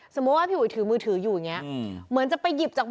สมมติว่าพี่ห